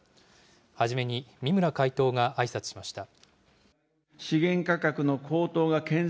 初めに、三村会頭があいさつしました。